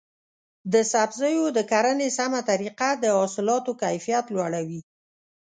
د سبزیو د کرنې سمه طریقه د حاصلاتو کیفیت لوړوي.